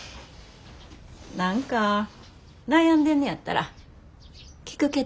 何か悩んでんねやったら聞くけど。